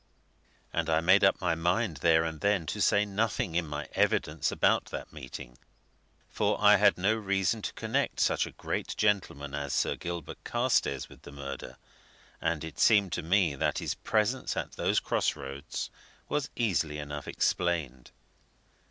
And I made up my mind there and then to say nothing in my evidence about that meeting, for I had no reason to connect such a great gentleman as Sir Gilbert Carstairs with the murder, and it seemed to me that his presence at those cross roads was easily enough explained.